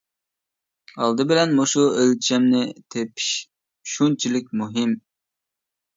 ئالدى بىلەن مۇشۇ ئۆلچەمنى تېپىش شۇنچىلىك مۇھىم.